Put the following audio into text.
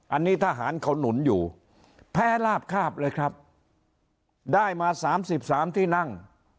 อันนี้ทหารเขาหนุนอยู่แพ้ลาบคาบเลยครับได้มา๓๓ที่นั่ง